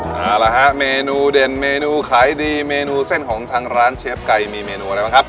เอาละฮะเมนูเด่นเมนูขายดีเมนูเส้นของทางร้านเชฟไก่มีเมนูอะไรบ้างครับ